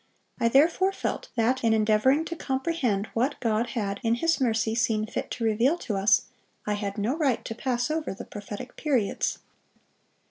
I therefore felt that in endeavoring to comprehend what God had in His mercy seen fit to reveal to us, I had no right to pass over the prophetic periods."